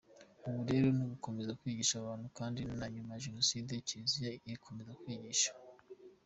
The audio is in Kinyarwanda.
Ubu rero ni ugukomeza kwigisha abantu kandi na nyuma ya Jenoside Kiriziya yakomeje kwigisha.